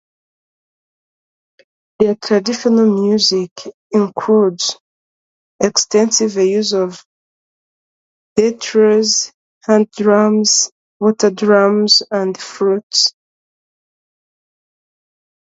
Their traditional music includes extensive use of rattles, hand drums, water drums, and flutes.